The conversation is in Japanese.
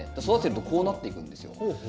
育ててるとこうなっていくんですよ。